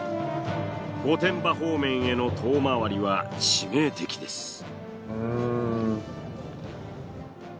御殿場方面への遠回りは致命的です。